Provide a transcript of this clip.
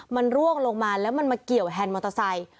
มันร่วงลงมาแล้วมันมาเกี่ยวแฮนด์มอเตอร์ไซค์